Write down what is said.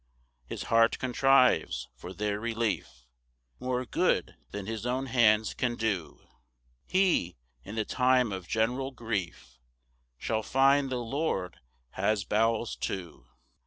2 His heart contrives for their relief More good than his own hands can do; He, in the time of general grief, Shall find the Lord has bowels too.